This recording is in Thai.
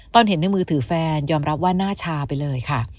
เห็นในมือถือแฟนยอมรับว่าหน้าชาไปเลยค่ะ